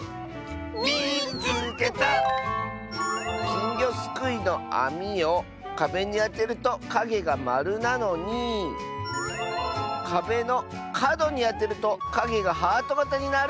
「きんぎょすくいのあみをかべにあてるとかげがまるなのにかべのかどにあてるとかげがハートがたになる！」。